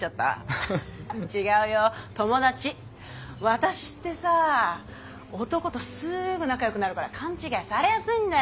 私ってさ男とすぐ仲よくなるから勘違いされやすいんだよ。